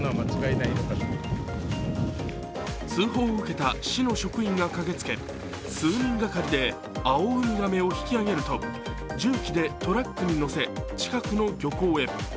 通報を受けた市の職員が駆けつけ数人がかりでアオウミガメを引き上げると重機でトラックに乗せ近くの漁港へ。